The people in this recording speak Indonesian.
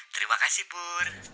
terima kasih pur